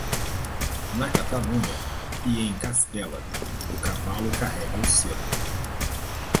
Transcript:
Na Catalunha e em Castela, o cavalo carrega o selo.